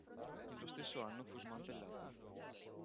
Nello stesso anno fu smantellato.